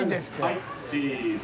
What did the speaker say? はいチズ。